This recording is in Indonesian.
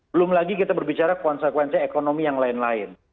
belum lagi kita berbicara konsekuensi ekonomi yang lain lain